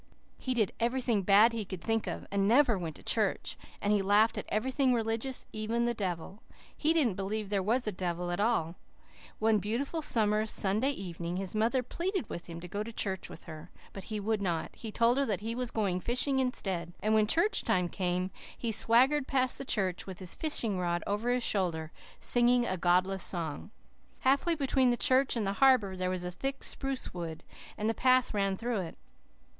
He did everything bad he could think of, and never went to church, and he laughed at everything religious, even the devil. He didn't believe there was a devil at all. One beautiful summer Sunday evening his mother pleaded with him to go to church with her, but he would not. He told her that he was going fishing instead, and when church time came he swaggered past the church, with his fishing rod over his shoulder, singing a godless song. Half way between the church and the harbour there was a thick spruce wood, and the path ran through it.